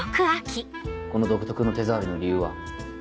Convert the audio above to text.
この独特の手触りの理由は？